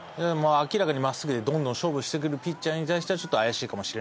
明らかに真っすぐでどんどん勝負してくるピッチャーに対してはちょっと怪しいかもしれない。